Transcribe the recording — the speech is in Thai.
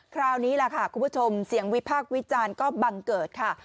คราวนี้แหละค่ะคุณผู้ชมเสียงวิพากษ์วิจารณ์ก็บังเกิดค่ะ